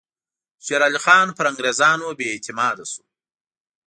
شېر علي خان پر انګریزانو بې اعتماده شو.